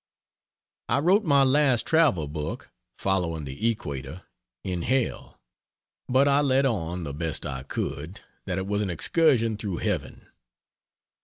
I wrote my last travel book [Following the Equator.] in hell; but I let on, the best I could, that it was an excursion through heaven.